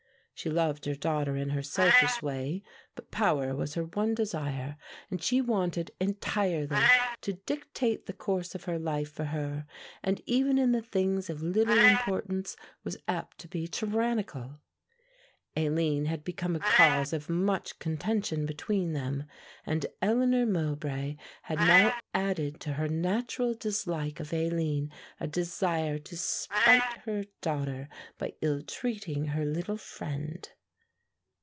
She loved her daughter in her selfish way, but power was her one desire, and she wanted entirely to dictate the course of her life for her; and even in the things of little importance was apt to be tyrannical. Aline had become a cause of much contention between them, and Eleanor Mowbray had now added to her natural dislike of Aline a desire to spite her daughter by ill treating her little friend.